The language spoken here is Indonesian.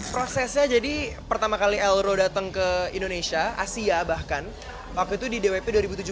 prosesnya jadi pertama kali elro datang ke indonesia asia bahkan waktu itu di dwp dua ribu tujuh belas